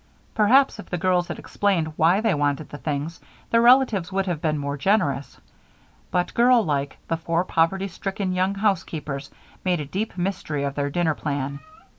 Perhaps if the girls had explained why they wanted the things, their relatives would have been more generous; but girllike, the four poverty stricken young housekeepers made a deep mystery of their dinner plan.